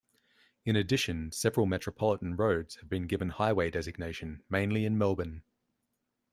In addition, several metropolitan roads have been given highway designation, mainly in Melbourne.